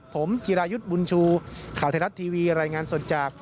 ผมจิรายุทธ์บุญชูข่าวไทยรัฐทีวีรายงานสดจาก